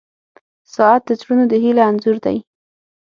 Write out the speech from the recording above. • ساعت د زړونو د هیلې انځور دی.